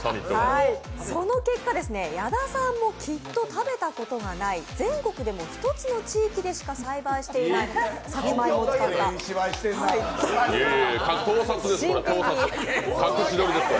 その結果、矢田さんもきっと食べたことがない、全国でも１つの地域でしか栽培していないさつまいもを使った盗撮です、これ、隠し撮りです。